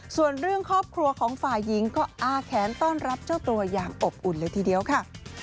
ส่วนเรื่องครอบครัวของฝ่ายหญิงก็อาแขนต้อนรับเจ้าตัวอย่างอบอุ่นเลยทีเดียวค่ะ